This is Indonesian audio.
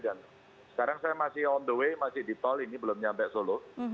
dan sekarang saya masih on the way masih di tol ini belum sampai solo